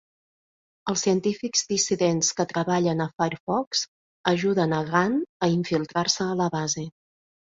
Els científics dissidents que treballen a Firefox ajuden a Gant a infiltrar-se a la base.